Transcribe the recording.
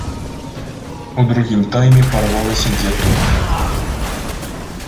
У другім тайме парвалася дзе тонка.